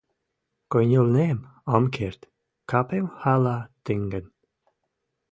Кӹньӹлнем — ам керд, кӓпем хӓлӓ тӹнгӹн.